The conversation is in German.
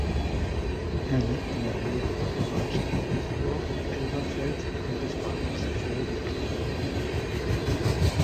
Er liegt in der Nähe der Bahnstrecke Düsseldorf–Elberfeld und des Bahnhofs Vohwinkel.